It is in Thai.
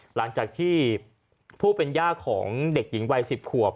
หลังจากที่ผู้เป็นย่าของเด็กหญิงวัย๑๐ขวบ